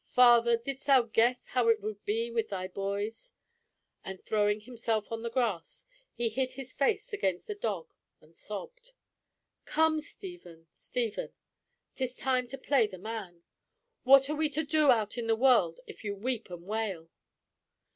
father! didst thou guess how it would be with thy boys!" And throwing himself on the grass, he hid his face against the dog and sobbed. "Come, Stephen, Stephen; 'tis time to play the man! What are we to do out in the world if you weep and wail?"